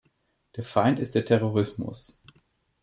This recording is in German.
Der Feind ist der Terrorismus.